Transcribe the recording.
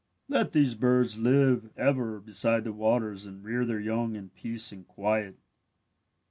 "Let these birds live ever beside the waters and rear their young in peace and quiet.